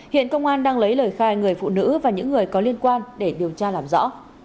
hiện công an đang lấy lời khai người phụ nữ và những người có liên quan để điều tra làm rõ